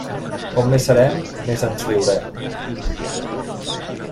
Com més serem, més ens riurem.